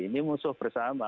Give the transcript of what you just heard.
ini musuh bersama